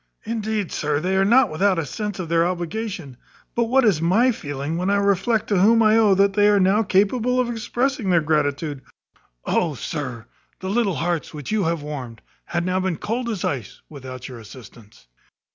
Indeed, sir, they are not without a sense of their obligation; but what is my feeling when I reflect to whom I owe that they are now capable of expressing their gratitude. Oh, sir, the little hearts which you have warmed had now been cold as ice without your assistance."